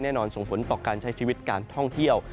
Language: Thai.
ส่งผลต่อการใช้ชีวิตการท่องเที่ยว